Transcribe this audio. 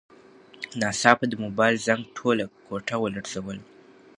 ناڅاپه د موبایل زنګ ټوله کوټه ولړزوله.